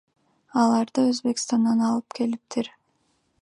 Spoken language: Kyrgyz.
Аларды Өзбекстандан алып келиптир.